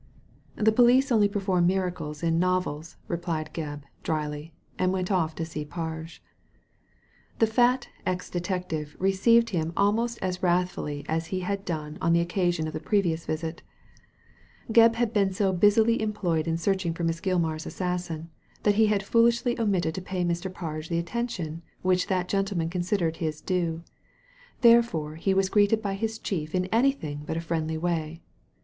'* Th s^police only perform miracles in nove ls" replied Gebb, dryly, and went off to see Parge. The fat ex detective received him almost as wrath fully as he had done on the occasion of the previous visit Gebb had been so busily employed in searching for Miss Gilmar's assassin, that he had foolishly omitted to pay Mr. Parge the attention which that gentleman considered his due; therefore he was greeted by his chief in anything but a friendly way.